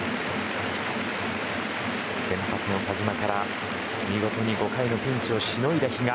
先発の田嶋から見事に５回のピンチをしのいだ比嘉。